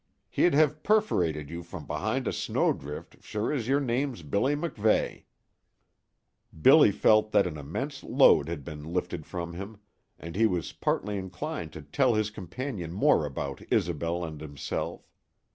He'd have perforated you from behind a snow drift sure as your name's Billy MacVeigh." Billy felt that an immense load had been lifted from him, and he was partly inclined to tell his companion more about Isobel and himself.